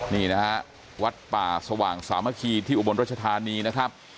นี่นะฮะวัดป่าสว่างสามัคคีที่อุบลรัชธานีนะครับ